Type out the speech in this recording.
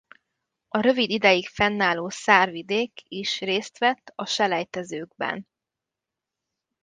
A rövid ideig fennálló Saar-vidék is részt vett a selejtezőkben.